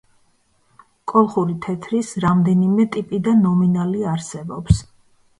კოლხური თეთრის რამდენიმე ტიპი და ნომინალი არსებობს.